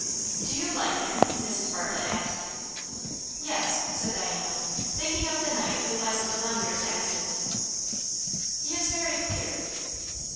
"Do you like him?" Mrs. Bartlett asked. "Yes," said Diana, thinking of the night of Eliza Delamater's accident. "He is very queer."